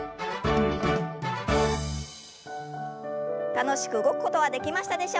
楽しく動くことはできましたでしょうか。